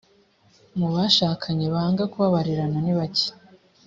mu bashakanye banga kubabarirana nibake.